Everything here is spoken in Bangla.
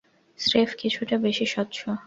স্রেফ কিছুটা বেশি স্বচ্ছ।